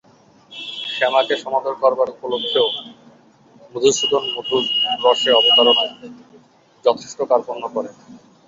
শ্যামাকে সমাদর করবার উপলক্ষেও মধুসূদন মধুর রসের অবতারণায় যথেষ্ট কার্পণ্য করে।